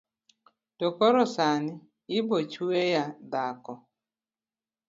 to koro sani ibochweya dhako